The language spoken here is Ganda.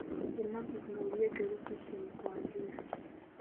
Ennaku zino oluyeeke lususse mu kwanjula.